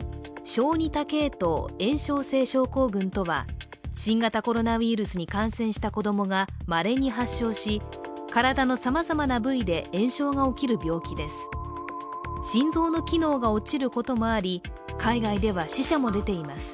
ＭＩＳ−Ｃ＝小児多系統炎症性症候群とは新型コロナウイルスに感染した子供がまれに発症し体のさまざまな部位で炎症が起きる病気です。